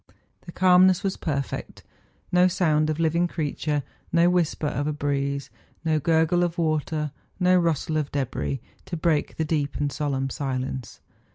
The calmness was perfect ; no sound of living creature, no whisper of a breeze, no gurgle of water, no rustle of debris, to break the deep and solemn silence.